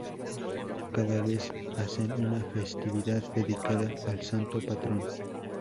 Cada mes hacen una festividad dedicada al santo patrón.